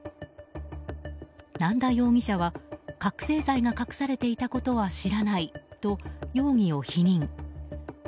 ナンダ容疑者は覚醒剤が隠されていたことは知らないと、容疑を否認。